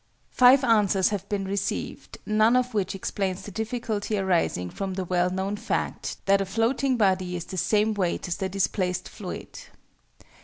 Five answers have been received, none of which explains the difficulty arising from the well known fact that a floating body is the same weight as the displaced fluid.